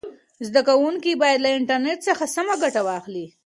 زده کوونکي باید له انټرنیټ څخه سمه ګټه واخلي.